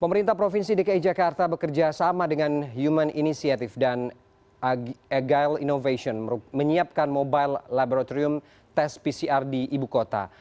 pemerintah provinsi dki jakarta bekerja sama dengan human initiative dan agile innovation menyiapkan mobile laboratorium tes pcr di ibu kota